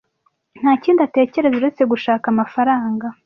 Nta kindi atekereza uretse gushaka amafaranga.